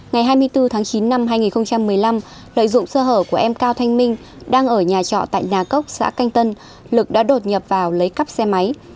ngày hai mươi bốn tháng chín năm hai nghìn một mươi năm lợi dụng sơ hở của em cao thanh minh đang ở nhà trọ tại nhà cốc xã canh tân lực đã đột nhập vào lấy cắp xe máy